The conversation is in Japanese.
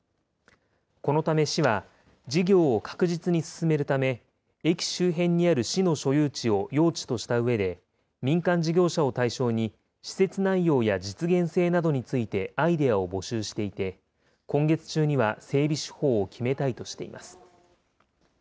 このため市は、事業を確実に進めるため、駅周辺にある市の所有地を用地としたうえで、民間事業者を対象に、施設内容や実現性などについてアイデアを募集していて、今月中には整備手法を決めたいとしています。